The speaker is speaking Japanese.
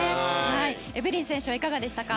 エブリン選手はいかがでしたか。